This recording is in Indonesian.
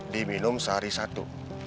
diminum sehari satu